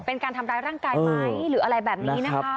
เป็นการทำร้ายร่างกายไหมหรืออะไรแบบนี้นะคะ